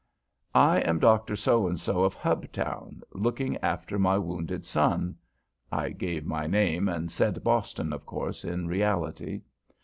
I am Dr. So and So of Hubtown, looking after my wounded son. (I gave my name and said Boston, of course, in reality.)